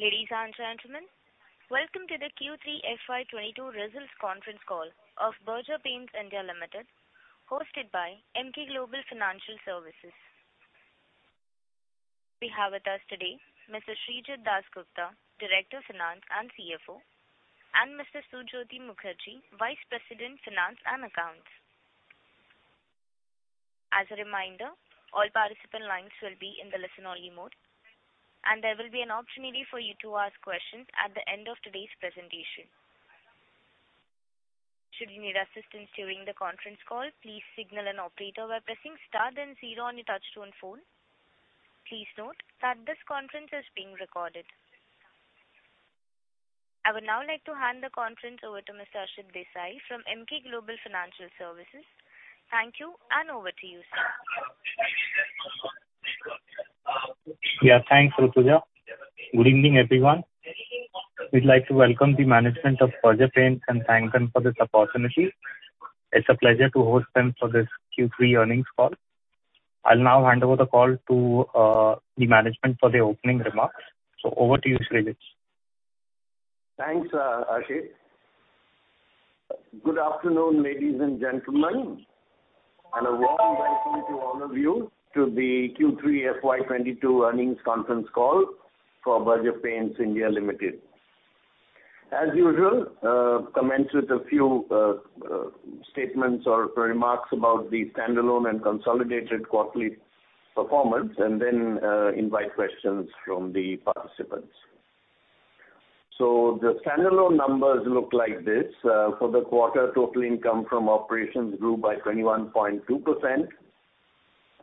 Ladies and gentlemen, welcome to the Q3 FY 2022 results conference call of Berger Paints India Limited, hosted by Emkay Global Financial Services. We have with us today Mr. Srijit Dasgupta, Director Finance and CFO, and Mr. Sujyoti Mukherjee, Vice President, Finance and Accounts. As a reminder, all participant lines will be in the listen only mode, and there will be an opportunity for you to ask questions at the end of today's presentation. Should you need assistance during the conference call, please signal an operator by pressing star then zero on your touchtone phone. Please note that this conference is being recorded. I would now like to hand the conference over to Mr. Ashit Desai from Emkay Global Financial Services. Thank you and over to you, sir. Yeah, thanks, Rutuja. Good evening, everyone. We'd like to welcome the management of Berger Paints and thank them for this opportunity. It's a pleasure to host them for this Q3 earnings call. I'll now hand over the call to the management for the opening remarks. Over to you, Srijit. Thanks, Ashit. Good afternoon, ladies and gentlemen, and a warm welcome to all of you to the Q3 FY 2022 earnings conference call for Berger Paints India Limited. As usual, commence with a few statements or remarks about the standalone and consolidated quarterly performance, and then invite questions from the participants. The standalone numbers look like this. For the quarter, total income from operations grew by 21.2%.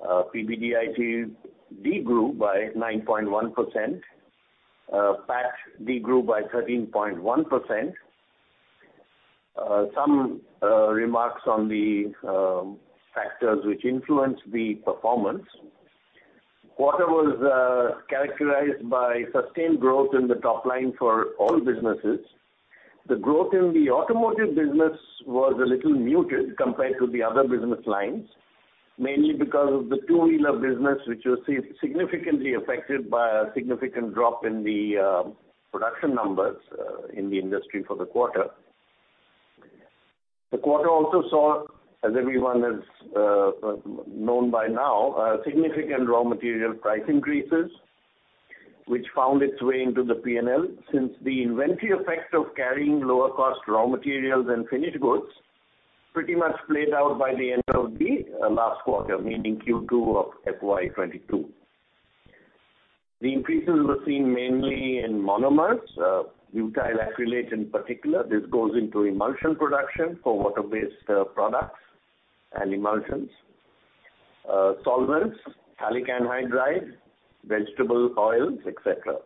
PBDIT de-grew by 9.1%. PAT de-grew by 13.1%. Some remarks on the factors which influenced the performance. Quarter was characterized by sustained growth in the top line for all businesses. The growth in the automotive business was a little muted compared to the other business lines, mainly because of the two-wheeler business, which was significantly affected by a significant drop in the production numbers in the industry for the quarter. The quarter also saw, as everyone knows by now, significant raw material price increases, which found its way into the P&L since the inventory effect of carrying lower cost raw materials and finished goods pretty much played out by the end of the last quarter, meaning Q2 of FY 2022. The increases were seen mainly in monomers, butyl acrylate in particular. This goes into emulsion production for water-based products and emulsions. Solvents, phthalic anhydride, vegetable oils, et cetera.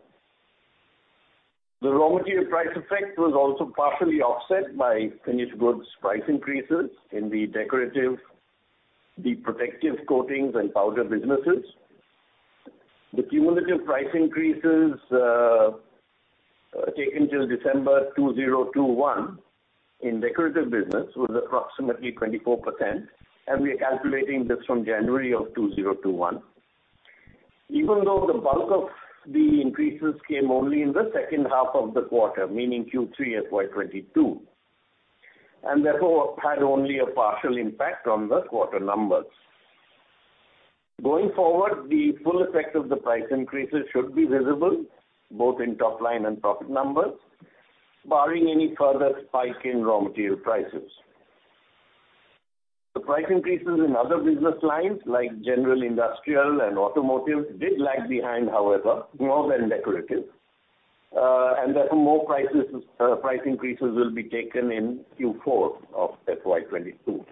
The raw material price effect was also partially offset by finished goods price increases in the decorative, the protective coatings and powder businesses. The cumulative price increases taken till December 2021 in decorative business was approximately 24%, and we are calculating this from January 2021. Even though the bulk of the increases came only in the second half of the quarter, meaning Q3 FY 2022, and therefore had only a partial impact on the quarter numbers. Going forward, the full effect of the price increases should be visible both in top line and profit numbers, barring any further spike in raw material prices. The price increases in other business lines like general, industrial and automotive did lag behind, however, more than decorative. Therefore more price increases will be taken in Q4 of FY 2022.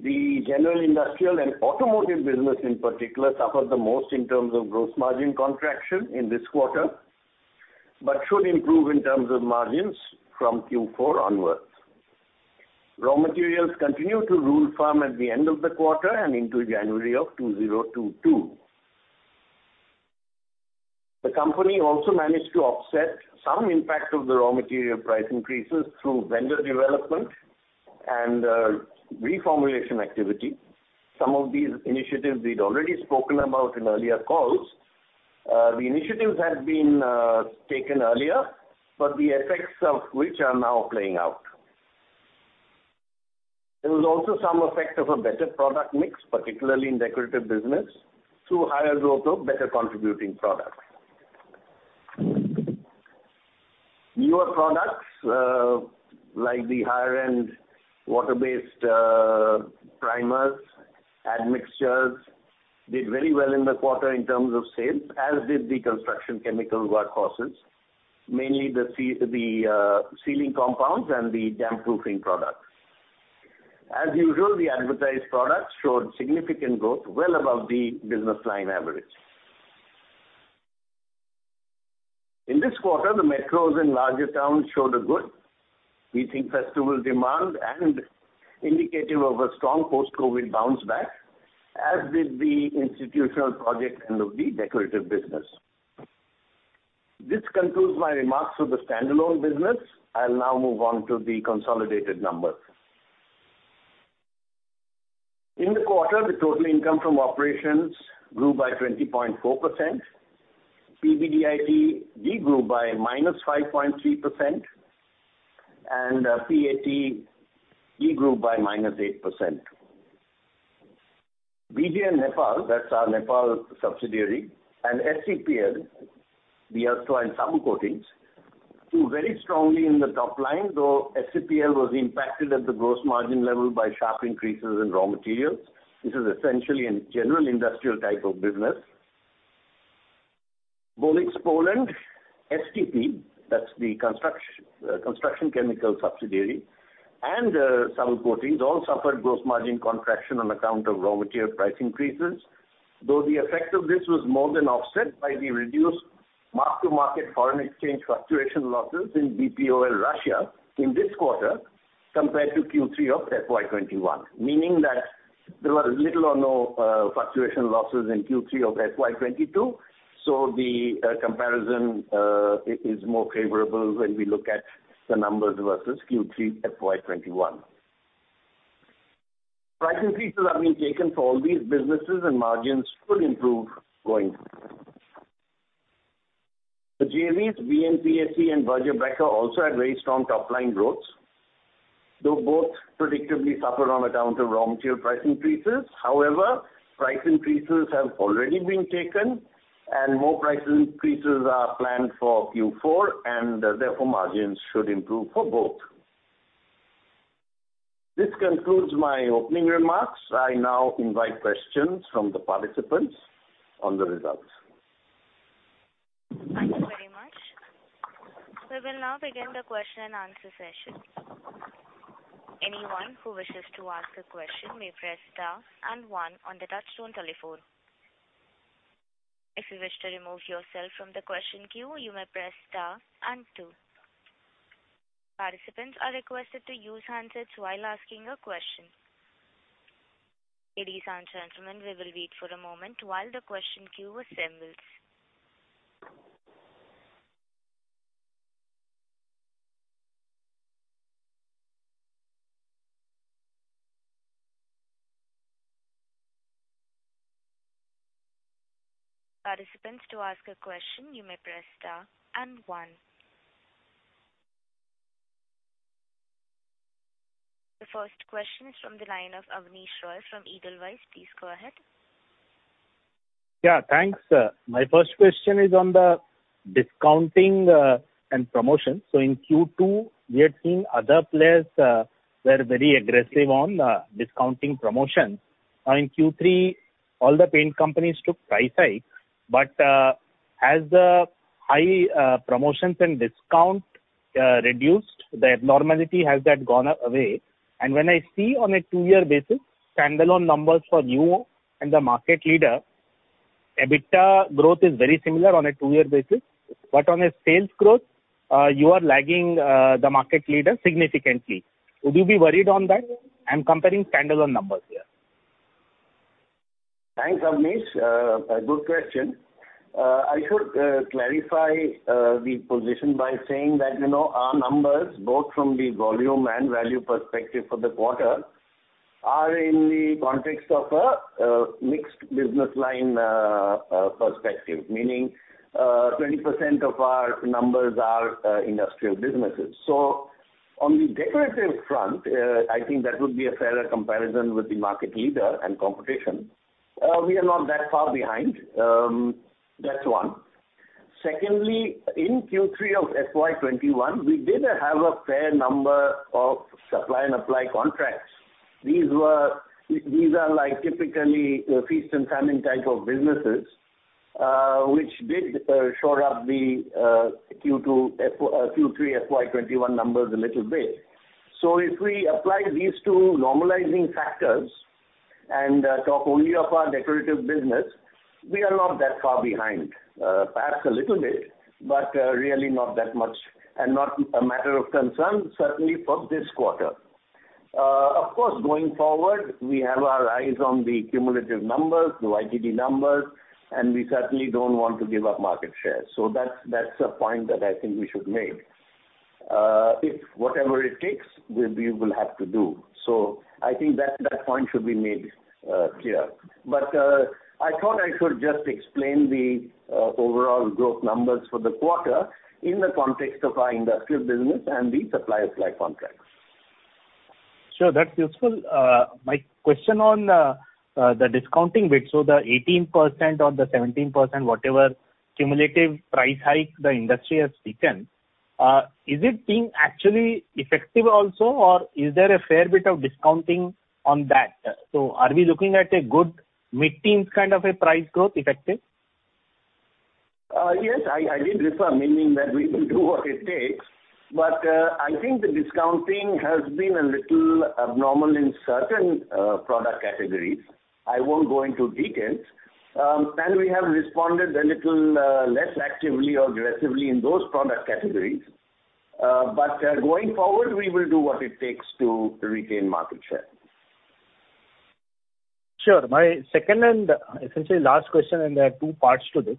The general, industrial and automotive business in particular suffered the most in terms of gross margin contraction in this quarter, but should improve in terms of margins from Q4 onwards. Raw materials continued to rule firm at the end of the quarter and into January of 2022. The company also managed to offset some impact of the raw material price increases through vendor development and reformulation activity. Some of these initiatives we'd already spoken about in earlier calls. The initiatives had been taken earlier, but the effects of which are now playing out. There was also some effect of a better product mix, particularly in decorative business, through higher growth of better contributing products. Newer products, like the higher end water-based primers, admixtures, did very well in the quarter in terms of sales, as did the construction chemical workhorses, mainly the sealing compounds and the damp-proofing products. As usual, the advertised products showed significant growth well above the business line average. In this quarter, the metros and larger towns showed a good, we think, festival demand and indicative of a strong post-Covid bounce back, as did the institutional project end of the decorative business. This concludes my remarks for the standalone business. I'll now move on to the consolidated numbers. In the quarter, the total income from operations grew by 20.4%. PBDIT de-grew by -5.3% and PAT de-grew by -8%. Berger Jenson & Nicholson Nepal, that's our Nepal subsidiary, and SCPL, the special coatings, grew very strongly in the top line, though SCPL was impacted at the gross margin level by sharp increases in raw materials. This is essentially a general industrial type of business. Bolix Poland, STP, that's the construction chemical subsidiary, and Special Coatings all suffered gross margin contraction on account of raw material price increases, though the effect of this was more than offset by the reduced mark-to-market foreign exchange fluctuation losses in BPOL Russia in this quarter compared to Q3 of FY 2021, meaning that there were little or no fluctuation losses in Q3 of FY 2022, so the comparison is more favorable when we look at the numbers versus Q3 FY 2021. Price increases are being taken for all these businesses and margins should improve going forward. The JVs, BNPAC and Berger Becker also had very strong top-line growths, though both predictably suffered on account of raw material price increases. However, price increases have already been taken and more price increases are planned for Q4, and therefore margins should improve for both. This concludes my opening remarks. I now invite questions from the participants on the results. Thank you very much. We will now begin the question and answer session. Anyone who wishes to ask a question may press star and one on the touchtone telephone. If you wish to remove yourself from the question queue, you may press star and two. Participants are requested to use handsets while asking a question. Ladies and gentlemen, we will wait for a moment while the question queue assembles. Participants, to ask a question you may press star and one. The first question is from the line of Abneesh Roy from Edelweiss. Please go ahead. Yeah. Thanks, sir. My first question is on the discounting and promotions. In Q2, we are seeing other players were very aggressive on discounting promotions. Now in Q3, all the paint companies took price hike. Has the high promotions and discount reduced the abnormality? Has that gone away? When I see on a two-year basis standalone numbers for you and the market leader, EBITDA growth is very similar on a two-year basis. On a sales growth, you are lagging the market leader significantly. Would you be worried on that? I'm comparing standalone numbers here. Thanks, Abneesh. A good question. I should clarify the position by saying that, you know, our numbers both from the volume and value perspective for the quarter are in the context of a mixed business line perspective, meaning 20% of our numbers are industrial businesses. So on the decorative front, I think that would be a fairer comparison with the market leader and competition. We are not that far behind. That's one. Secondly, in Q3 of FY 2021, we did have a fair number of supply and apply contracts. These are like typically feast and famine type of businesses, which did shore up the Q3 FY 2021 numbers a little bit. If we apply these two normalizing factors and talk only of our decorative business, we are not that far behind. Perhaps a little bit, but really not that much and not a matter of concern, certainly for this quarter. Of course, going forward, we have our eyes on the cumulative numbers, the YTD numbers, and we certainly don't want to give up market share. That's a point that I think we should make. If whatever it takes, we will have to do. I think that point should be made clear. I thought I should just explain the overall growth numbers for the quarter in the context of our industrial business and the supply and apply contracts. Sure. That's useful. My question on the discounting bit. The 18% or the 17%, whatever cumulative price hike the industry has taken, is it being actually effective also, or is there a fair bit of discounting on that? Are we looking at a good mid-teens kind of a price growth effective? Yes. I did refer, meaning that we will do what it takes, but I think the discounting has been a little abnormal in certain product categories. I won't go into details. We have responded a little less actively or aggressively in those product categories. Going forward, we will do what it takes to retain market share. Sure. My second and essentially last question, and there are two parts to this.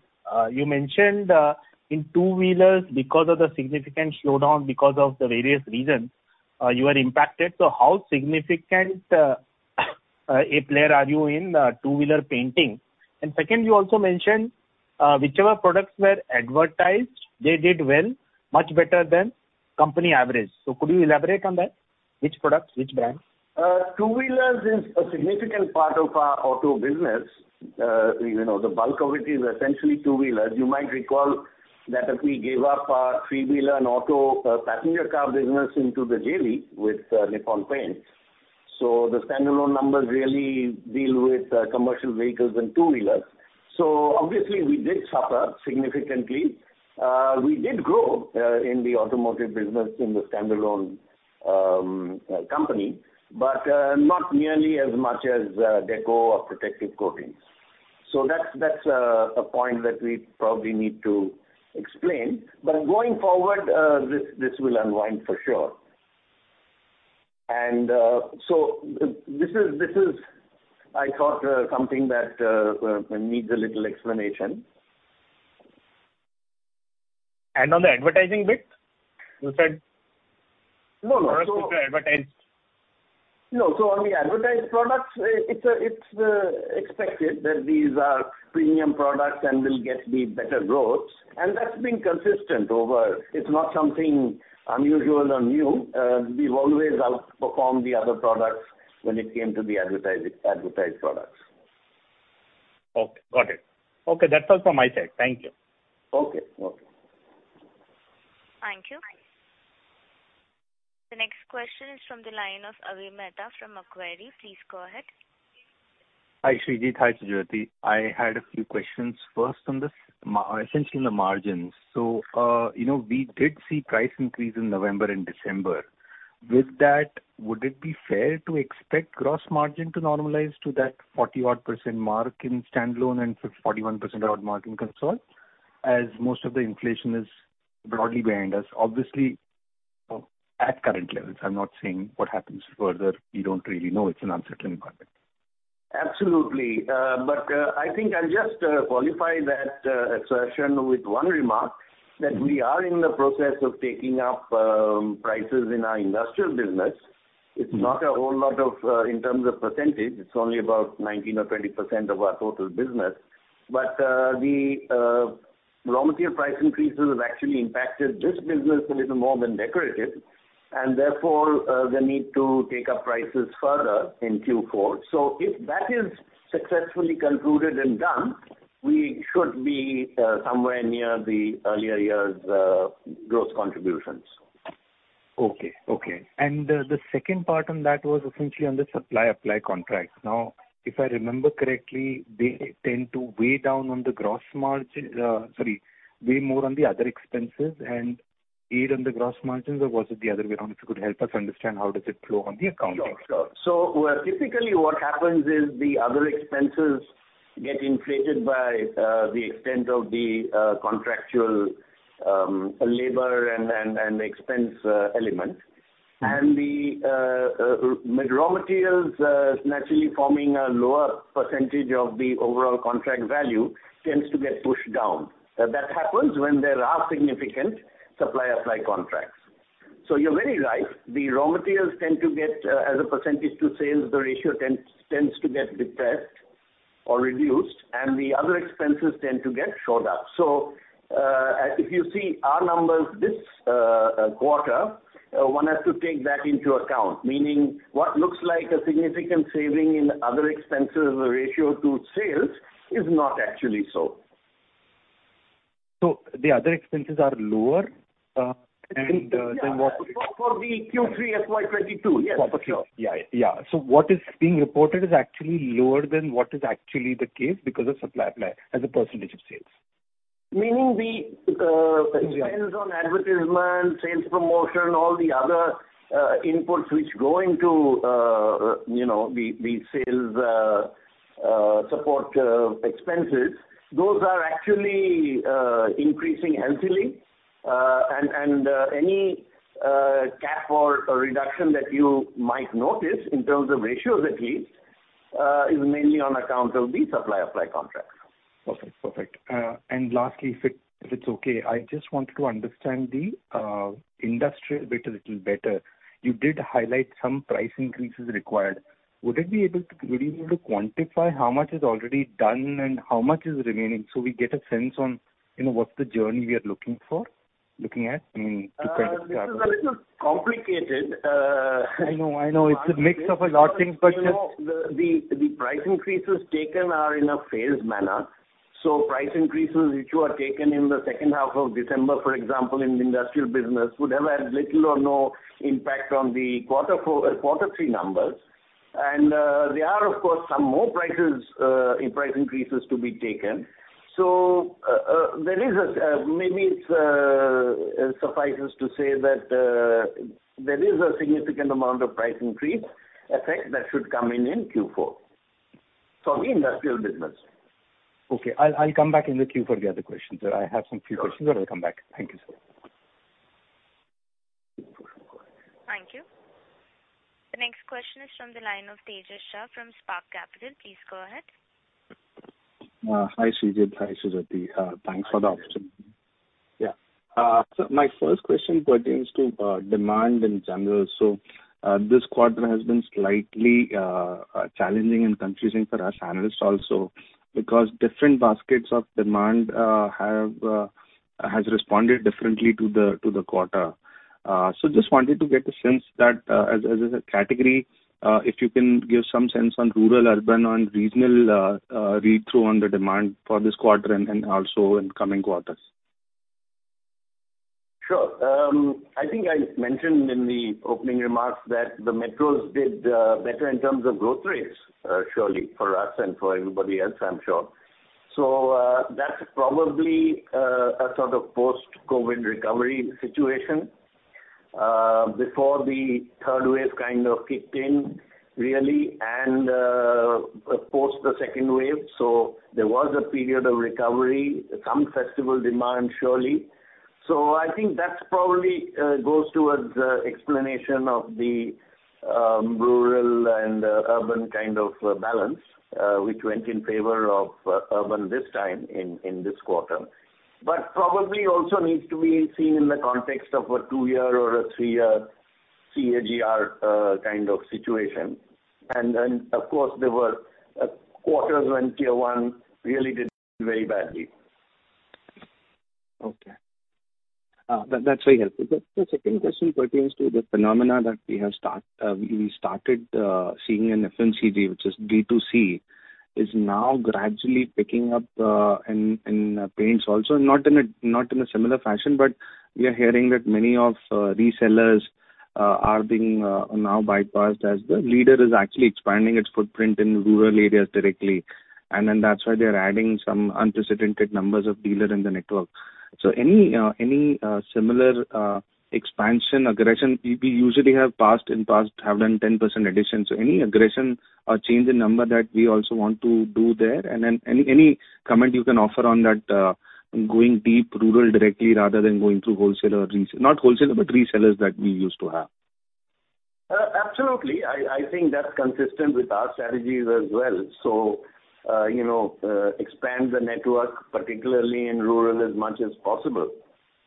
You mentioned in two-wheelers, because of the significant slowdown, because of the various reasons, you were impacted. How significant a player are you in two-wheeler painting? And second, you also mentioned whichever products were advertised, they did well, much better than company average. Could you elaborate on that? Which products? Which brands? Two-wheelers is a significant part of our auto business. You know, the bulk of it is essentially two-wheelers. You might recall that we gave up our three-wheeler and auto passenger car business into the JV with Nippon Paint. The standalone numbers really deal with commercial vehicles and two-wheelers. Obviously we did suffer significantly. We did grow in the automotive business in the standalone company, but not nearly as much as deco or protective coatings. That's a point that we probably need to explain. Going forward, this will unwind for sure. This is I thought something that needs a little explanation. On the advertising bit, you said. No, no. products that were advertised. No. On the advertised products, it's expected that these are premium products and will get the better growth. That's been consistent. It's not something unusual or new. We've always outperformed the other products when it came to the advertised products. Okay. Got it. Okay, that's all from my side. Thank you. Okay. Okay. Thank you. The next question is from the line of Avi Mehta from Macquarie. Please go ahead. Hi, Srijit. Hi, Sujyoti. I had a few questions first on essentially the margins. You know, we did see price increase in November and December. With that, would it be fair to expect gross margin to normalize to that 40-odd% mark in standalone and 41%-odd mark in consolidated as most of the inflation is broadly behind us? Obviously, at current levels, I'm not saying what happens further, we don't really know. It's an uncertain climate. Absolutely. I think I'll just qualify that assertion with one remark, that we are in the process of taking up prices in our industrial business. Mm-hmm. It's not a whole lot of in terms of percentage, it's only about 19 or 20% of our total business. The raw material price increases have actually impacted this business a little more than decorative and therefore the need to take up prices further in Q4. If that is successfully concluded and done, we should be somewhere near the earlier years growth contributions. The second part on that was essentially on the supply and apply contracts. Now, if I remember correctly, they tend to weigh more on the other expenses and hit on the gross margins, or was it the other way around? If you could help us understand how does it flow on the accounting side? Sure. Typically what happens is the other expenses get inflated by the extent of the contractual labor and expense element. Mm-hmm. Raw materials naturally forming a lower percentage of the overall contract value tends to get pushed down. That happens when there are significant supply and apply contracts. You're very right. The raw materials tend to get, as a percentage to sales, the ratio tends to get depressed or reduced, and the other expenses tend to get shored up. If you see our numbers this quarter, one has to take that into account. Meaning what looks like a significant saving in other expenses ratio to sales is not actually so. The other expenses are lower, and then what- Yeah. For the Q3 FY 2022. Yes, for sure. Yeah. What is being reported is actually lower than what is actually the case because of supply and apply as a percentage of sales. Meaning the expense on advertisement, sales promotion, all the other inputs which go into you know the sales support expenses, those are actually increasing healthily. Any cap or reduction that you might notice in terms of ratios at least is mainly on account of the supply and apply contracts. Perfect. Lastly, if it's okay, I just wanted to understand the industrial bit a little better. You did highlight some price increases required. Were you able to quantify how much is already done and how much is remaining so we get a sense on, you know, what's the journey we are looking at, I mean, to kind of- This is a little complicated. I know it's a mix of a lot of things. You know, the price increases taken are in a phased manner. Price increases which were taken in the second half of December, for example, in industrial business, would have had little or no impact on the quarter three numbers. There are of course some more price increases to be taken. It suffices to say that there is a significant amount of price increase effect that should come in in Q4 for the industrial business. Okay. I'll come back in the queue for the other questions. I have some few questions, but I'll come back. Thank you, sir. Thank you. The next question is from the line of Tejas Shah from Spark Capital. Please go ahead. Hi, Srijit. Hi, Sujyoti. Thanks for the opportunity. Yeah. My first question pertains to demand in general. This quarter has been slightly challenging and confusing for us analysts also because different baskets of demand have responded differently to the quarter. Just wanted to get a sense that, as a category, if you can give some sense on rural, urban, on regional read-through on the demand for this quarter and then also in coming quarters. Sure. I think I mentioned in the opening remarks that the metros did better in terms of growth rates, surely for us and for everybody else, I'm sure. That's probably a sort of post-COVID recovery situation, before the third wave kind of kicked in really and post the second wave. There was a period of recovery, some festival demand, surely. I think that probably goes towards explanation of the rural and urban kind of balance, which went in favor of urban this time in this quarter. Probably also needs to be seen in the context of a two-year or a three-year CAGR kind of situation. Then, of course, there were quarters when tier one really did very badly. Okay. That's very helpful. The second question pertains to the phenomenon that we started seeing in FMCG, which is D2C, is now gradually picking up in paints also, not in a similar fashion, but we are hearing that many resellers are now being bypassed as the leader is actually expanding its footprint in rural areas directly. That's why they are adding some unprecedented numbers of dealers in the network. Any similar aggressive expansion? We usually in the past have done 10% addition. Any aggression or change in number that we also want to do there? Any comment you can offer on that, going deep rural directly rather than going through wholesaler or retail. Not wholesaler, but resellers that we used to have. Absolutely. I think that's consistent with our strategies as well. You know, expand the network, particularly in rural as much as possible,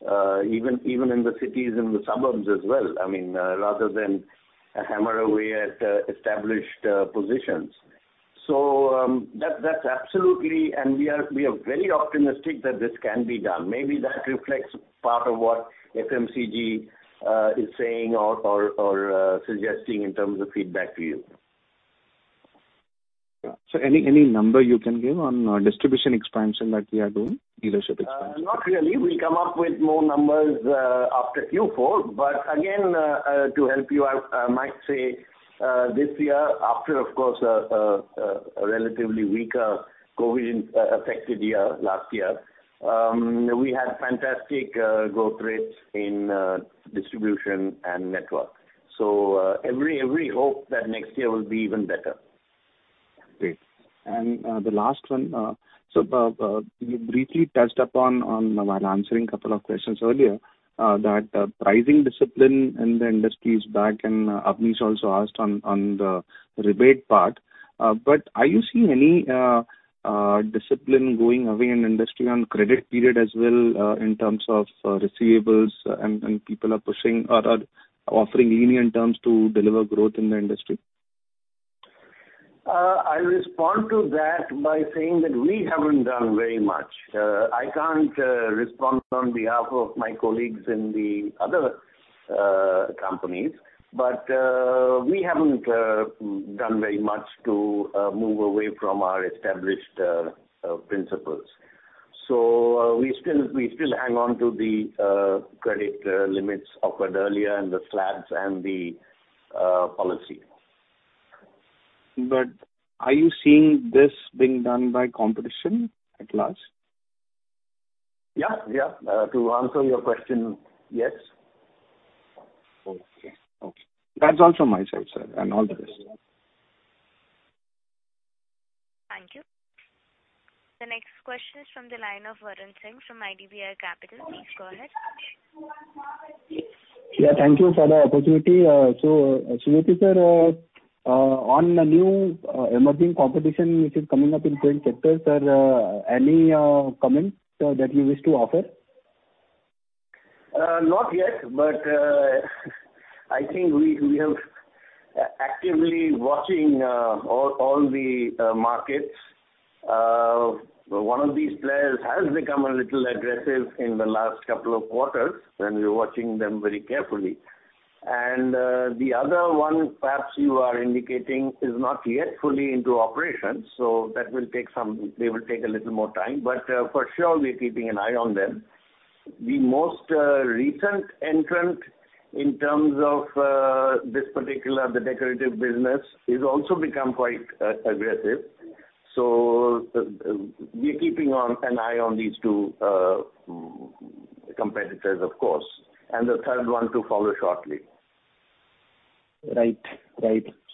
even in the cities and the suburbs as well, I mean, rather than hammer away at established positions. That's absolutely. We are very optimistic that this can be done. Maybe that reflects part of what FMCG is saying or suggesting in terms of feedback to you. Yeah. Any number you can give on distribution expansion that we are doing, dealership expansion? Not really. We'll come up with more numbers after Q4. Again, to help you, I might say this year, after of course a relatively weaker COVID affected year last year, we had fantastic growth rates in distribution and network. Every hope that next year will be even better. Great. The last one, so you briefly touched upon while answering couple of questions earlier, that pricing discipline in the industry is back, and Abneesh also asked on the rebate part. But are you seeing any discipline going away in industry on credit period as well, in terms of receivables and people are pushing or are offering lenient terms to deliver growth in the industry? I respond to that by saying that we haven't done very much. I can't respond on behalf of my colleagues in the other companies. We haven't done very much to move away from our established principles. We still hang on to the credit limits offered earlier and the slabs and the policy. Are you seeing this being done by competition at large? Yeah, yeah. To answer your question, yes. Okay. That's all from my side, sir, and all the best. Thank you. The next question is from the line of Varun Singh from IDBI Capital. Please go ahead. Yeah, thank you for the opportunity. Sujyoti sir, on the new emerging competition which is coming up in paint sector, sir, any comments that you wish to offer? Not yet, but I think we have actively watching all the markets. One of these players has become a little aggressive in the last couple of quarters, and we're watching them very carefully. The other one perhaps you are indicating is not yet fully into operation, so that will take some time. They will take a little more time. For sure we're keeping an eye on them. The most recent entrant in terms of this particular, the decorative business, has also become quite aggressive. We're keeping an eye on these two competitors, of course, and the third one to follow shortly. Right.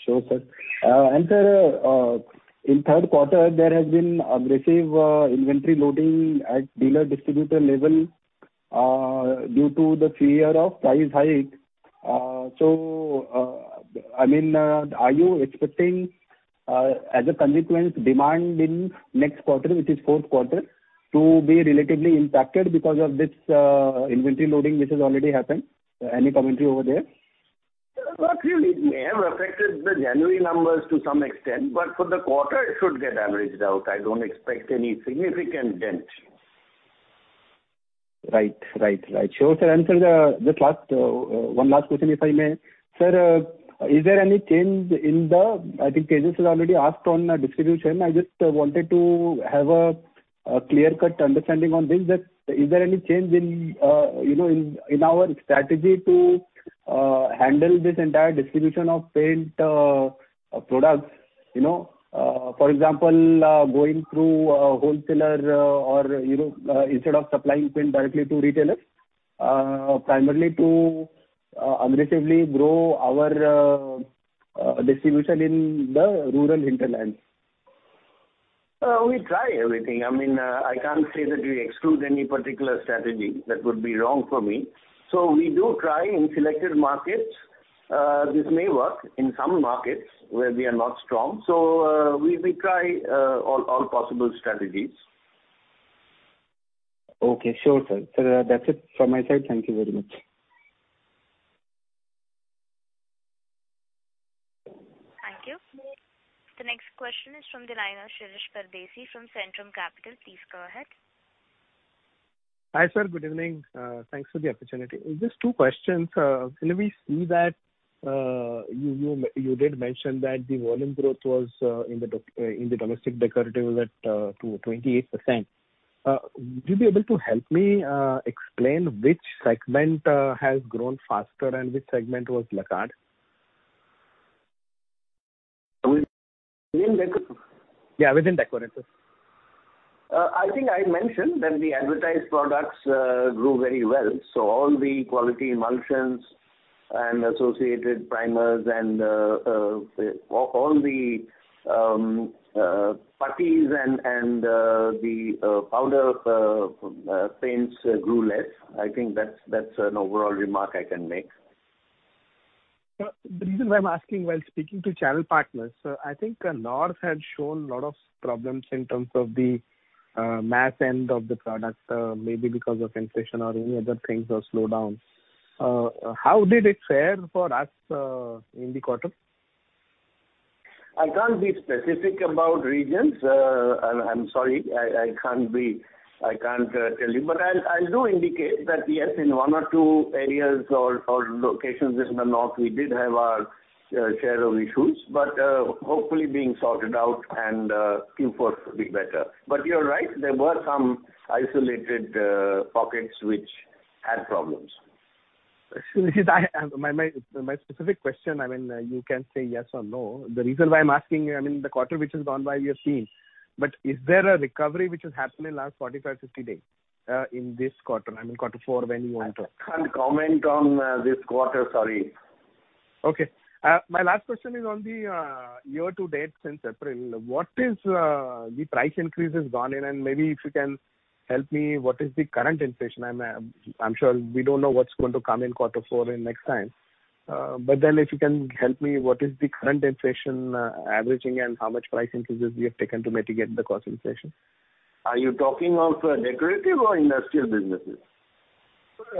Sure, sir. Sir, in third quarter, there has been aggressive inventory loading at dealer and distributor level due to the fear of price hike. I mean, are you expecting, as a consequence, demand in next quarter, which is fourth quarter, to be relatively impacted because of this inventory loading which has already happened? Any commentary over there? Well, actually it may have affected the January numbers to some extent, but for the quarter it should get averaged out. I don't expect any significant dent. Right. Sure, sir. Sir, just one last question, if I may. Sir, is there any change? I think Tejas has already asked on distribution. I just wanted to have a clear-cut understanding on this, that is there any change in you know in our strategy to handle this entire distribution of paint products, you know? For example, going through a wholesaler or you know instead of supplying paint directly to retailers primarily to aggressively grow our distribution in the rural hinterland. We try everything. I mean, I can't say that we exclude any particular strategy. That would be wrong for me. We do try in selected markets. This may work in some markets where we are not strong. We try all possible strategies. Okay. Sure, sir. Sir, that's it from my side. Thank you very much. Thank you. The next question is from the line of Shirish Pardeshi from Centrum Capital. Please go ahead. Hi, sir. Good evening. Thanks for the opportunity. Just two questions. Can we see that you did mention that the volume growth was in the domestic decorative at 28%. Would you be able to help me explain which segment has grown faster and which segment was lagging? Within deco? Yeah, within decorative. I think I mentioned that the advertised products grew very well, so all the quality emulsions and associated primers and all the putties and the powder paints grew less. I think that's an overall remark I can make. Sir, the reason why I'm asking, while speaking to channel partners, I think North had shown lot of problems in terms of the mass end of the product, maybe because of inflation or any other things or slowdown. How did it fare for us in the quarter? I can't be specific about regions. I'm sorry, I can't tell you. I'll indicate that, yes, in one or two areas or locations in the North, we did have our share of issues, but hopefully being sorted out and Q4 will be better. You're right, there were some isolated pockets which had problems. This is my specific question. I mean, you can say yes or no. The reason why I'm asking you, I mean, the quarter which is gone by we have seen, but is there a recovery which has happened in last 45-50 days in this quarter? I mean, quarter four when you want to- I can't comment on this quarter. Sorry. Okay. My last question is on the year to date since April. What is the price increases gone in? And maybe if you can help me, what is the current inflation? I'm sure we don't know what's going to come in quarter four in next time. If you can help me, what is the current inflation averaging and how much price increases you have taken to mitigate the cost inflation? Are you talking of decorative or industrial businesses?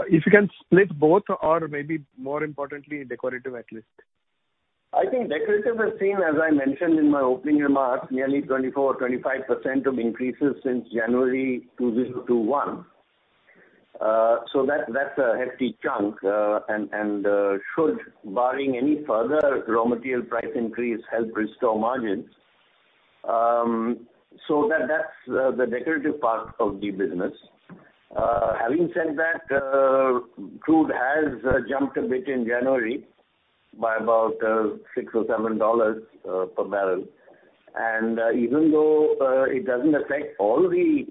If you can split both, or maybe more importantly, decorative at least. I think Decorative has seen, as I mentioned in my opening remarks, nearly 24%-25% increases since January 2021. So that's a hefty chunk and should, barring any further raw material price increase, help restore margins. So that's the Decorative part of the business. Having said that, crude has jumped a bit in January by about $6-$7 per barrel. Even though it doesn't affect all the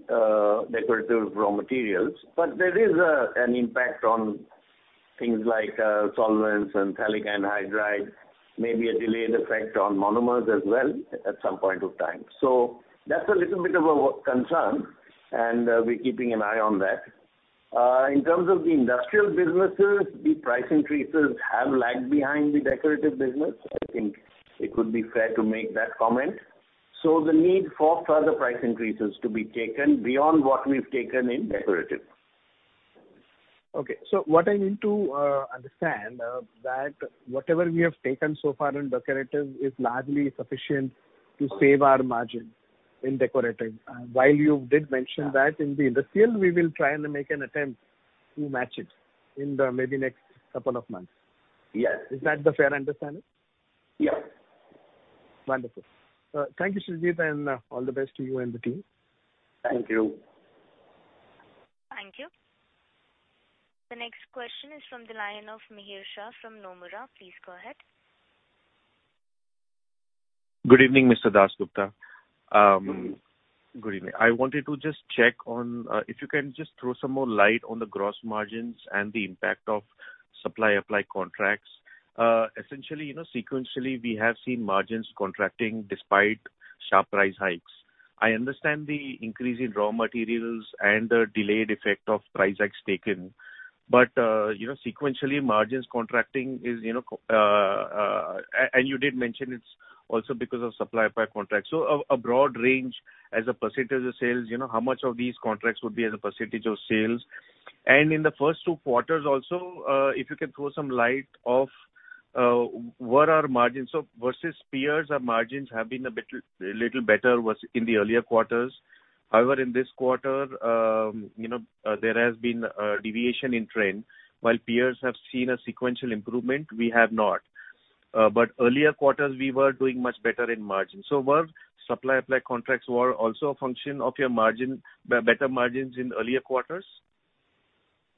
Decorative raw materials, but there is an impact on things like solvents and phthalic anhydride, maybe a delayed effect on monomers as well at some point of time. That's a little bit of a concern, and we're keeping an eye on that. In terms of the industrial businesses, the price increases have lagged behind the decorative business. I think it would be fair to make that comment. The need for further price increases to be taken beyond what we've taken in decorative. Okay. What I need to understand that whatever we have taken so far in decorative is largely sufficient to save our margin in decorative. While you did mention that in the industrial, we will try and make an attempt to match it in the maybe next couple of months. Yes. Is that the fair understanding? Yeah. Wonderful. Thank you, Srijit Dasgupta, and all the best to you and the team. Thank you. Thank you. The next question is from the line of Mihir Shah from Nomura. Please go ahead. Good evening, Mr. Dasgupta. Good evening. I wanted to just check on if you can just throw some more light on the gross margins and the impact of supply and apply contracts. Essentially, you know, sequentially, we have seen margins contracting despite sharp price hikes. I understand the increase in raw materials and the delayed effect of price hikes taken, but, you know, sequentially margins contracting is, you know, concerning, and you did mention it's also because of supply and apply contracts. A broad range as a percentage of sales, you know, how much of these contracts would be as a percentage of sales? And in the first two quarters also, if you can throw some light on what our margins versus peers or margins have been a little better than in the earlier quarters. However, in this quarter, there has been a deviation in trend. While peers have seen a sequential improvement, we have not. Earlier quarters we were doing much better in margins. Were supply and apply contracts also a function of your margin, better margins in earlier quarters?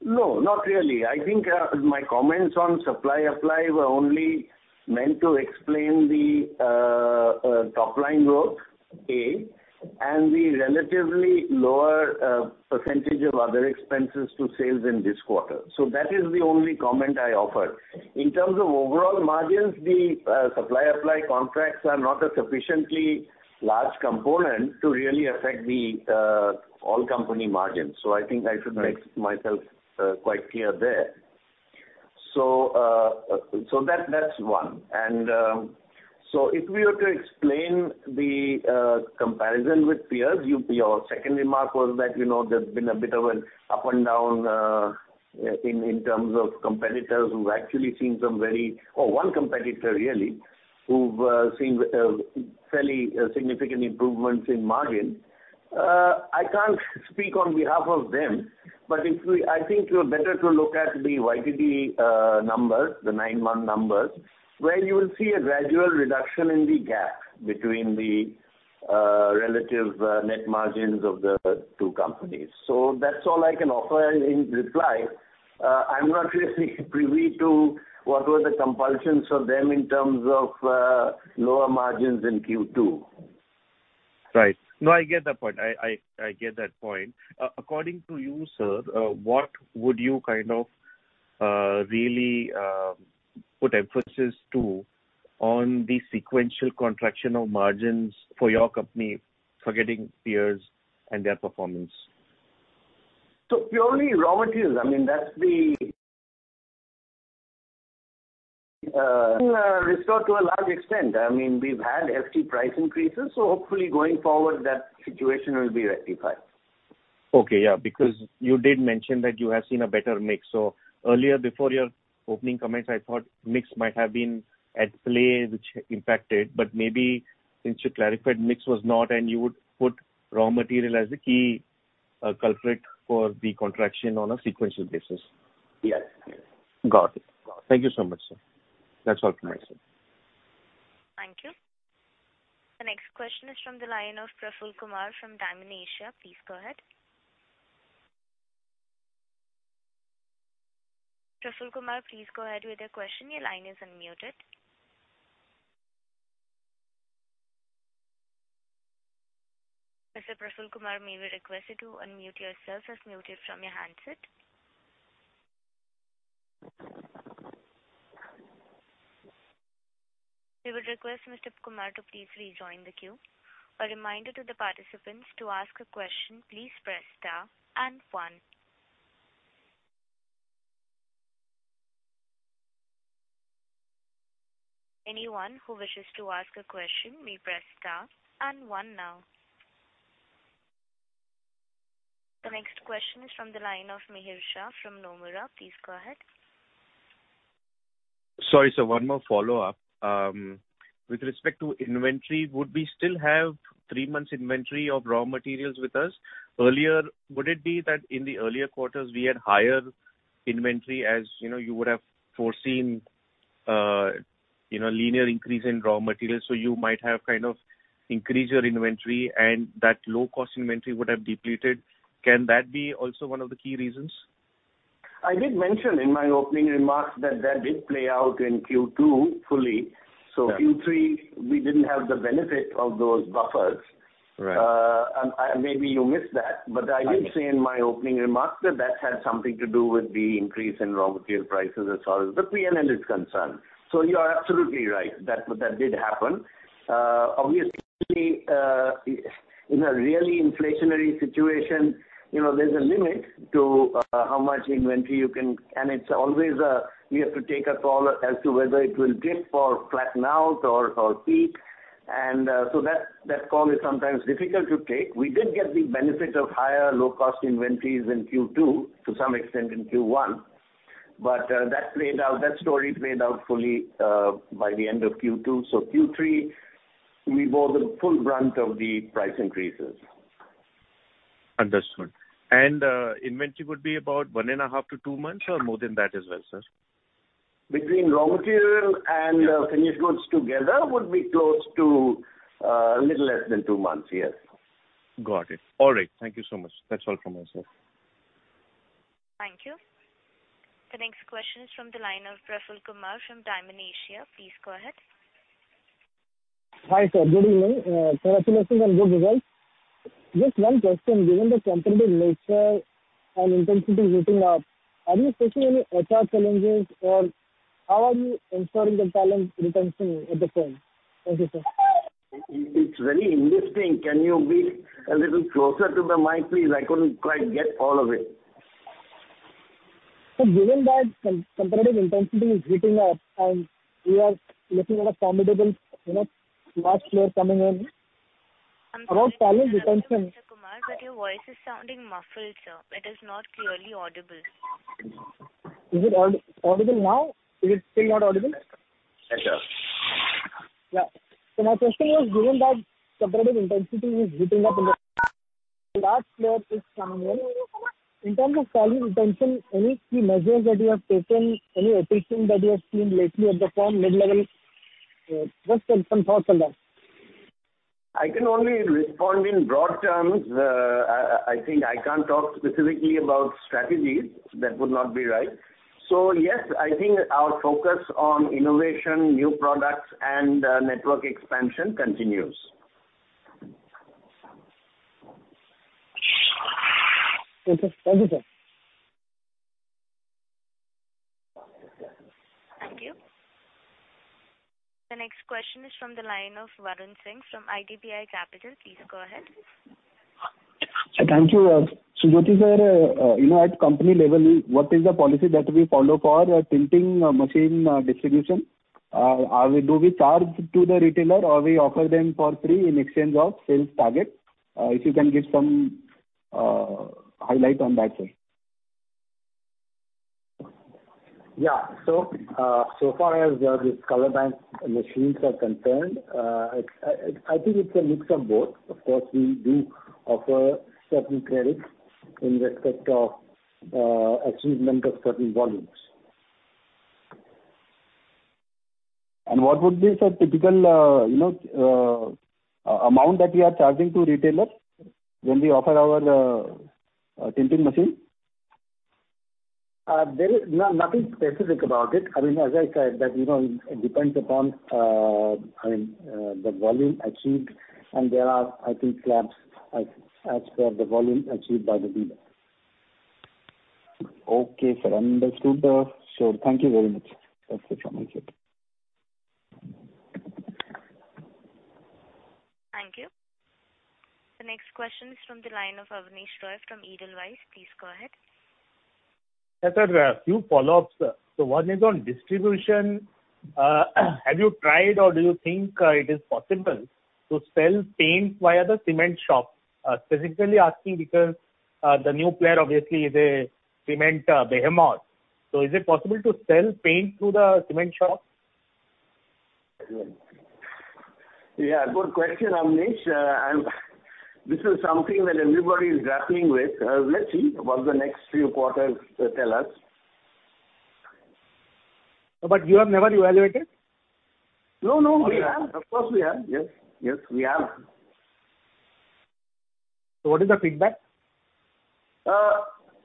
No, not really. I think my comments on supply and apply were only meant to explain the top line growth and the relatively lower percentage of other expenses to sales in this quarter. That is the only comment I offered. In terms of overall margins, the supply and apply contracts are not a sufficiently large component to really affect the overall company margins. I think I should- Right. I make myself quite clear there. That's one. If we were to explain the comparison with peers, your second remark was that, you know, there's been a bit of an up and down in terms of competitors who've actually seen some very or one competitor really, who've seen fairly significant improvements in margin. I can't speak on behalf of them, but I think you're better to look at the YTD numbers, the nine-month numbers, where you will see a gradual reduction in the gap between the relative net margins of the two companies. That's all I can offer in reply. I'm not really privy to what were the compulsions for them in terms of lower margins in Q2. Right. No, I get that point. According to you, sir, what would you kind of really put emphasis to on the sequential contraction of margins for your company, forgetting peers and their performance? Purely raw materials, I mean that's the story to a large extent. I mean, we've had hefty price increases, so hopefully going forward that situation will be rectified. Okay. Yeah, because you did mention that you have seen a better mix. Earlier, before your opening comments, I thought mix might have been at play, which impacted, but maybe since you clarified mix was not and you would put raw material as the key, culprit for the contraction on a sequential basis. Yes. Got it. Thank you so much, sir. That's all from my side. Thank you. The next question is from the line of Praful Kumar from Dymon Asia. Please go ahead. Praful Kumar, please go ahead with your question. Your line is unmuted. Mr. Praful Kumar, may we request you to unmute yourself. It's muted from your handset. We would request Mr. Kumar to please rejoin the queue. A reminder to the participants: to ask a question, please press star and one. Anyone who wishes to ask a question may press star and one now. The next question is from the line of Mihir Shah from Nomura. Please go ahead. Sorry, sir. One more follow-up. With respect to inventory, would we still have three months inventory of raw materials with us? Would it be that in the earlier quarters we had higher inventory, as, you know, you would have foreseen, you know, linear increase in raw materials, so you might have kind of increased your inventory and that low cost inventory would have depleted. Can that be also one of the key reasons? I did mention in my opening remarks that did play out in Q2 fully. Right. Q3, we didn't have the benefit of those buffers. Right. Maybe you missed that. Right. I did say in my opening remarks that that had something to do with the increase in raw material prices as far as the P&L is concerned. You are absolutely right. That did happen. Obviously, in a really inflationary situation, you know, there's a limit to how much inventory you can. It's always, you have to take a call as to whether it will dip or flatten out or peak. That call is sometimes difficult to take. We did get the benefit of higher low cost inventories in Q2, to some extent in Q1, but that played out, that story played out fully by the end of Q2. Q3, we bore the full brunt of the price increases. Understood. Inventory would be about 1.5-2 months or more than that as well, sir? Between raw material and finished goods together would be close to a little less than two months. Yes. Got it. All right. Thank you so much. That's all from myself. Thank you. The next question is from the line of Praful Kumar from Dymon Asia. Please go ahead. Hi, sir. Good evening. Congratulations on good results. Just one question, given the competitive nature and intensity heating up, are you facing any HR challenges or how are you ensuring the talent retention at the firm? Thank you, sir. It's very interesting. Can you be a little closer to the mic, please? I couldn't quite get all of it. Given that competitive intensity is heating up and we are looking at a formidable, you know, large player coming in. I'm very sorry to interrupt you, Mr. Kumar, but your voice is sounding muffled, sir. It is not clearly audible. Is it audible now? Is it still not audible? Better. Yeah. My question was given that competitive intensity is heating up and the large player is coming in terms of talent retention any key measures that you have taken, any attrition that you have seen lately at the firm, mid-level? Just some thoughts on that. I can only respond in broad terms. I think I can't talk specifically about strategies. That would not be right. Yes, I think our focus on innovation, new products and network expansion continues. Okay. Thank you, sir. Thank you. The next question is from the line of Varun Singh from IDBI Capital. Please go ahead. Thank you. Sujyoti, sir, you know, at company level, what is the policy that we follow for tinting machine distribution? Do we charge to the retailer or we offer them for free in exchange of sales target? If you can give some highlight on that, sir. Yeah. So far as these Color Bank machines are concerned, I think it's a mix of both. Of course, we do offer certain credits in respect of achievement of certain volumes. What would be the typical, you know, amount that we are charging to retailers when we offer our tinting machine? There is nothing specific about it. I mean, as I said that, you know, it depends upon the volume achieved, and there are, I think, slabs as per the volume achieved by the dealer. Okay, sir. Understood, sure. Thank you very much. That's it from my side. Thank you. The next question is from the line of Abneesh Roy from Edelweiss. Please go ahead. Yes, sir. A few follow-ups, sir. One is on distribution. Have you tried or do you think it is possible to sell paint via the cement shop? Specifically asking because the new player obviously is a cement behemoth. Is it possible to sell paint through the cement shop? Yeah, good question, Abneesh. This is something that everybody is grappling with. Let's see what the next few quarters tell us. You have never evaluated? No, no. We have. Of course, we have. Yes. Yes, we have. What is the feedback? It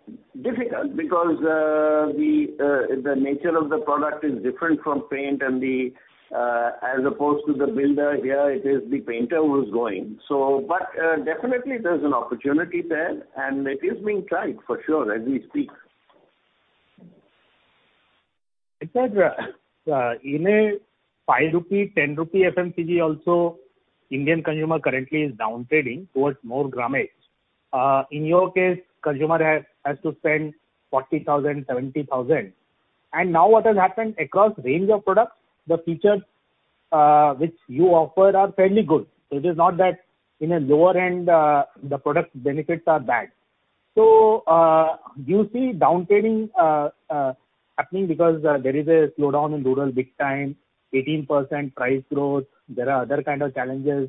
is difficult because the nature of the product is different from paint and, as opposed to the builder, here it is the painter who's going. Definitely there's an opportunity there, and it is being tried for sure as we speak. Et cetera. In a 5-rupee, 10-rupee FMCG also, Indian consumer currently is downtrading towards more grammage. In your case, consumer has to spend 40,000, 70,000. Now what has happened across range of products, the features which you offer are fairly good. It is not that in a lower end the product benefits are bad. Do you see downtrading happening because there is a slowdown in rural big time, 18% price growth, there are other kind of challenges,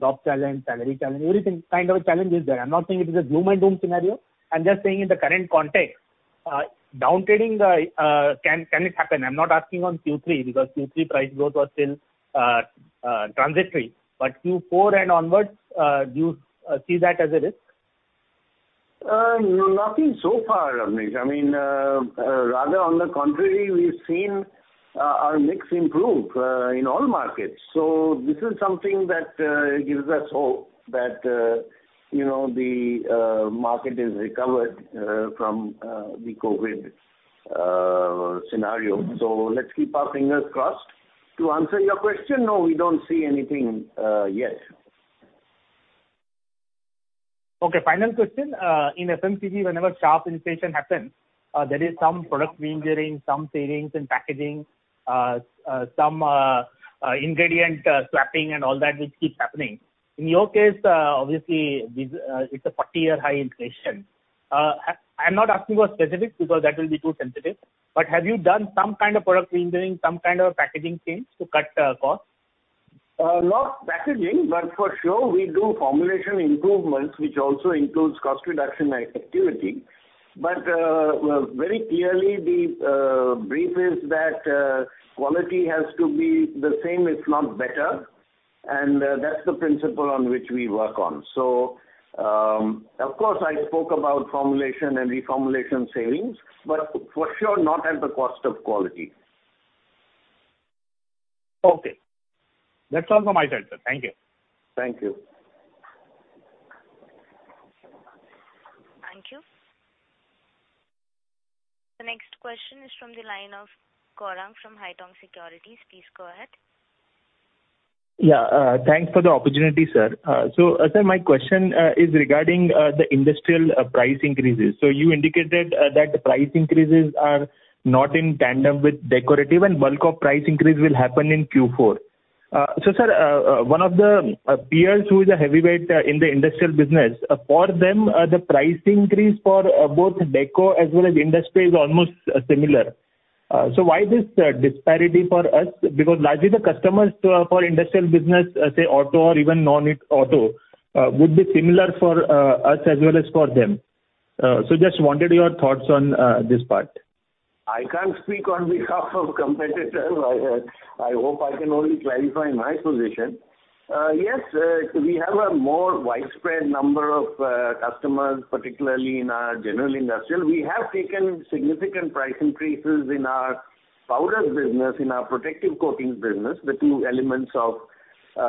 job challenge, salary challenge, everything kind of a challenge is there. I'm not saying it is a gloom and doom scenario. I'm just saying in the current context, downtrading can it happen? I'm not asking on Q3 because Q3 price growth was still transitory. Q4 and onwards, do you see that as a risk? Nothing so far, Abneesh. I mean, rather on the contrary, we've seen our mix improve in all markets. This is something that gives us hope that you know, the market is recovered from the COVID scenario. Let's keep our fingers crossed. To answer your question, no, we don't see anything yet. Okay, final question. In FMCG, whenever sharp inflation happens, there is some product reengineering, some savings in packaging, some ingredient swapping and all that which keeps happening. In your case, obviously this, it's a 40-year high inflation. I'm not asking for specifics because that will be too sensitive, but have you done some kind of product reengineering, some kind of a packaging change to cut costs? Not packaging, but for sure we do formulation improvements, which also includes cost reduction activity. Very clearly the brief is that quality has to be the same, if not better. That's the principle on which we work on. Of course, I spoke about formulation and reformulation savings, but for sure not at the cost of quality. Okay. That's all from my side, sir. Thank you. Thank you. Thank you. The next question is from the line of Gaurang from Haitong Securities. Please go ahead. Yeah, thanks for the opportunity, sir. Sir, my question is regarding the industrial price increases. You indicated that the price increases are not in tandem with decorative and bulk of price increase will happen in Q4. Sir, one of the peers who is a heavyweight in the industrial business, for them, the price increase for both deco as well as industry is almost similar. Why this disparity for us? Because largely the customers for industrial business, say auto or even non-auto, would be similar for us as well as for them. Just wanted your thoughts on this part. I can't speak on behalf of competitors. I hope I can only clarify my position. Yes, we have a more widespread number of customers, particularly in our general industrial. We have taken significant price increases in our powder business, in our protective coatings business, the two elements of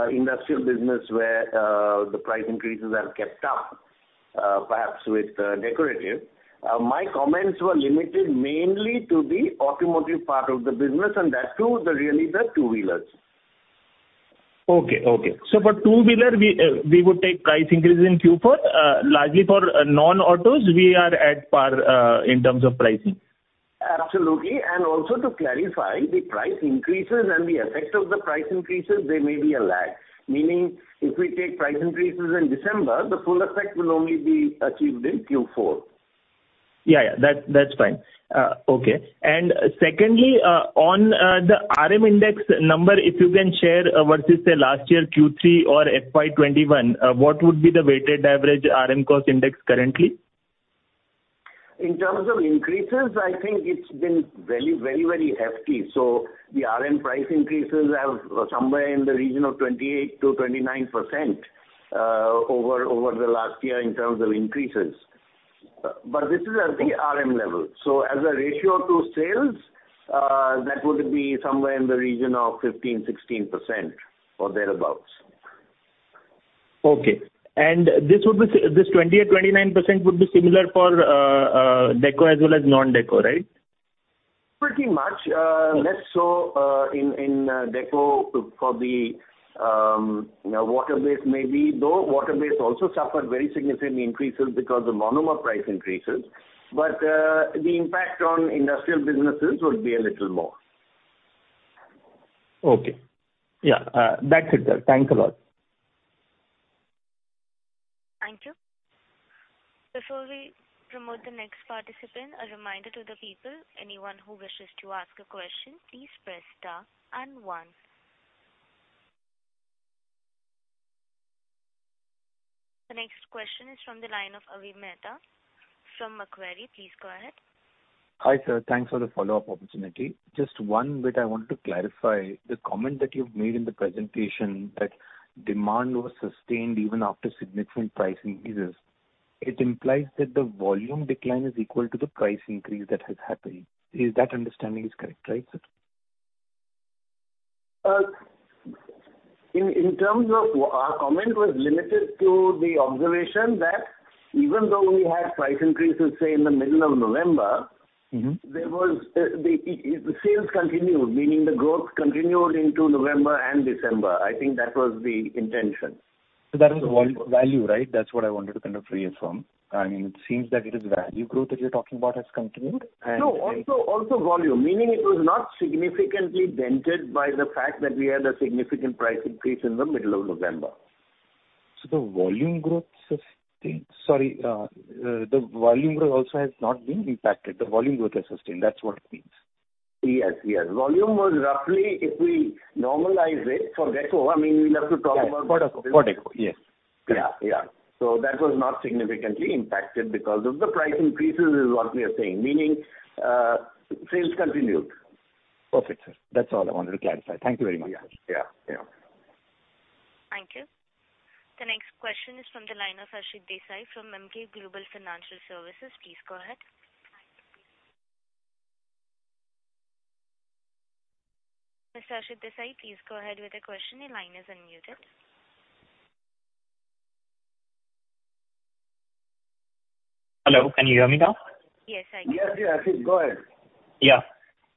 industrial business where the price increases have kept up, perhaps with decorative. My comments were limited mainly to the automotive part of the business, and that too, really the two-wheelers. Okay. For two-wheeler, we would take price increase in Q4. Largely for non-autos, we are at par in terms of pricing. Absolutely. Also to clarify, the price increases and the effect of the price increases, there may be a lag. Meaning if we take price increases in December, the full effect will only be achieved in Q4. Yeah. That's fine. Okay. Secondly, on the RM index number, if you can share versus the last year Q3 or FY 2021, what would be the weighted average RM cost index currently? In terms of increases, I think it's been very hefty. The RM price increases are somewhere in the region of 28%-29% over the last year in terms of increases. This is at the RM level. As a ratio to sales, that would be somewhere in the region of 15%-16% or thereabouts. Okay. This 20% or 29% would be similar for deco as well as non-deco, right? Pretty much. Less so in deco for the water-based maybe, though water-based also suffered very significant increases because of monomer price increases. The impact on industrial businesses would be a little more. Okay. Yeah, that's it, sir. Thanks a lot. Thank you. Before we prompt the next participant, a reminder to the people, anyone who wishes to ask a question, please press star and one. The next question is from the line of Avi Mehta from Macquarie. Please go ahead. Hi, sir. Thanks for the follow-up opportunity. Just one bit I wanted to clarify. The comment that you've made in the presentation that demand was sustained even after significant price increases, it implies that the volume decline is equal to the price increase that has happened. Is that understanding is correct, right, sir? in terms of our comment was limited to the observation that even though we had price increases, say in the middle of November. Mm-hmm There was the sales continued, meaning the growth continued into November and December. I think that was the intention. That is value, right? That's what I wanted to kind of reconfirm. I mean, it seems that it is value growth that you're talking about has continued. No, also volume. Meaning it was not significantly dented by the fact that we had a significant price increase in the middle of November. The volume growth also has not been impacted. The volume growth has sustained. That's what it means. Yes, yes. Volume was roughly, if we normalize it for deco, I mean, we'll have to talk about. For deco, yes. Yeah, yeah. That was not significantly impacted because of the price increases is what we are saying. Meaning, sales continued. Perfect, sir. That's all I wanted to clarify. Thank you very much. Yeah. Yeah, yeah. Thank you. The next question is from the line of Ashit Desai from Emkay Global Financial Services. Please go ahead. Mr. Ashit Desai, please go ahead with the question. Your line is unmuted. Hello, can you hear me now? Yes, I can. Yes, yes, Ashit, go ahead. Yeah.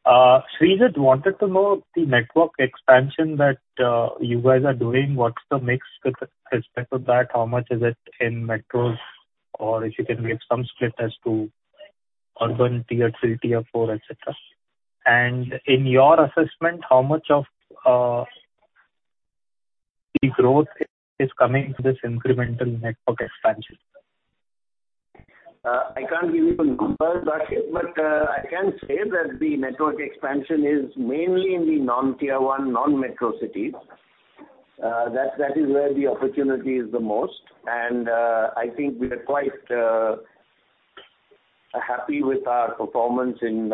Srijit wanted to know the network expansion that you guys are doing, what's the mix with respect to that? How much is it in metros? Or if you can give some split as to urban tier three, tier four, et cetera. In your assessment, how much of the growth is coming to this incremental network expansion? I can't give you the numbers, but I can say that the network expansion is mainly in the non-tier one, non-metro cities. That is where the opportunity is the most. I think we are quite happy with our performance in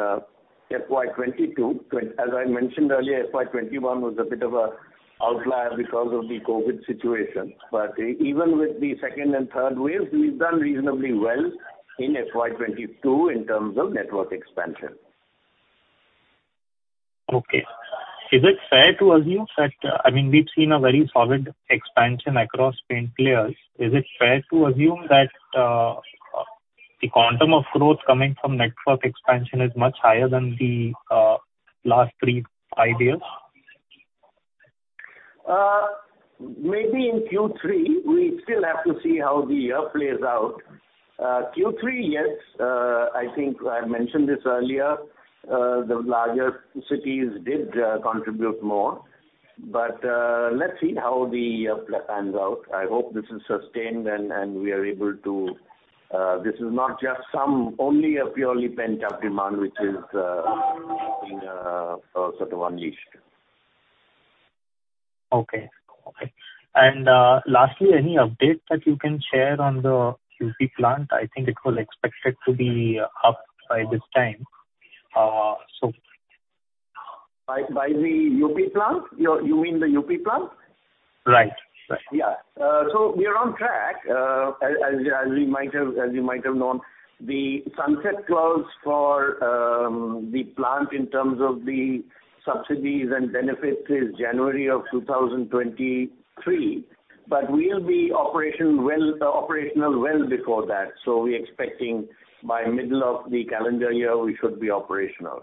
FY 2022. As I mentioned earlier, FY 2021 was a bit of an outlier because of the COVID situation. Even with the second and third waves, we've done reasonably well in FY 2022 in terms of network expansion. Okay. Is it fair to assume that, I mean, we've seen a very solid expansion across paint players? Is it fair to assume that the quantum of growth coming from network expansion is much higher than the last three, five years? Maybe in Q3. We still have to see how the year plays out. Q3, yes. I think I mentioned this earlier, the larger cities did contribute more. Let's see how the year ends out. I hope this is sustained and we are able to, this is not just solely a purely pent-up demand which is being sort of unleashed. Okay. Lastly, any updates that you can share on the UP plant? I think it was expected to be up by this time, so. By the UP plant? You mean the UP plant? Right. Right. We are on track. As you might have known, the sunset clause for the plant in terms of the subsidies and benefits is January 2023. We'll be operational well before that. We're expecting by middle of the calendar year we should be operational.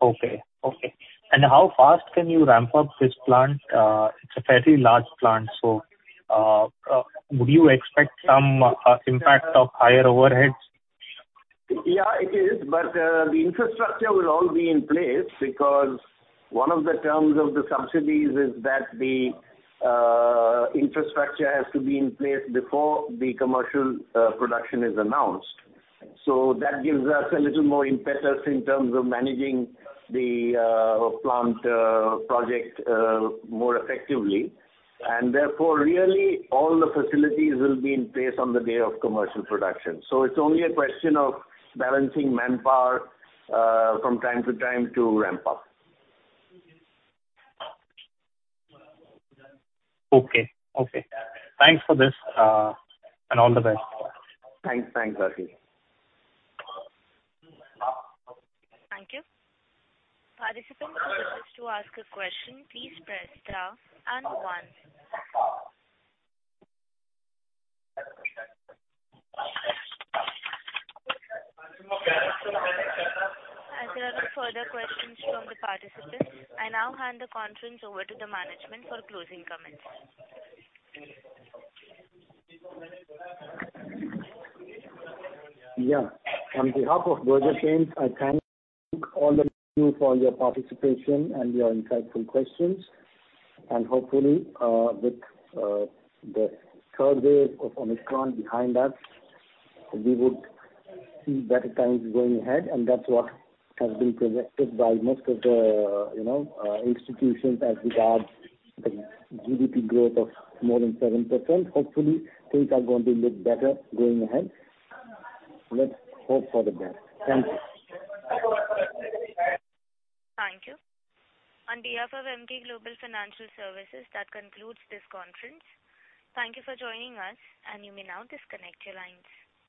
Okay. Okay. How fast can you ramp up this plant? It's a fairly large plant, so would you expect some impact of higher overheads? Yeah, it is. The infrastructure will all be in place because one of the terms of the subsidies is that the infrastructure has to be in place before the commercial production is announced. That gives us a little more impetus in terms of managing the plant project more effectively. Therefore, really all the facilities will be in place on the day of commercial production. It's only a question of balancing manpower from time to time to ramp up. Okay. Thanks for this, and all the best. Thanks. Thanks, Ashit. Thank you. Participants, if you wish to ask a question, please press star and one. As there are no further questions from the participants, I now hand the conference over to the management for closing comments. Yeah. On behalf of Berger Paints, I thank all of you for your participation and your insightful questions. Hopefully, with the third wave of Omicron behind us, we would see better times going ahead, and that's what has been projected by most of the, you know, institutions as regard the GDP growth of more than 7%. Hopefully, things are going to look better going ahead. Let's hope for the best. Thank you. Thank you. On behalf of Emkay Global Financial Services, that concludes this conference. Thank you for joining us, and you may now disconnect your lines.